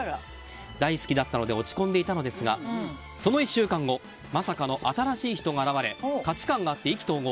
大好きだったので落ち込んでいたのですがその１週間後まさかの新しい人が現れ価値観が合って、意気投合。